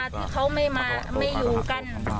ใจกันเลย